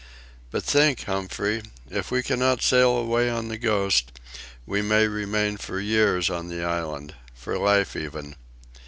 "But think, Humphrey. If we cannot sail away on the Ghost, we may remain for years on the island—for life even.